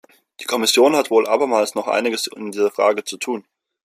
Die Kommission hat wohl abermals noch einiges in dieser Frage zu tun.